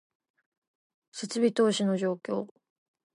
設備投資の状況